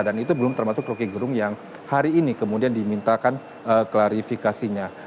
dan itu belum termasuk rocky gerung yang hari ini kemudian dimintakan klarifikasinya